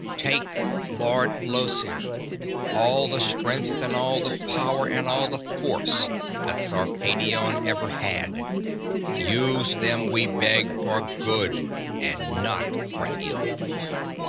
"Take, Lord Llosir, all the strength and all the power and all the force that Sarpedion ever had. Use them, we beg, for good and not for ill."